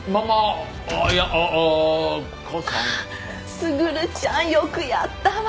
卓ちゃんよくやったわ！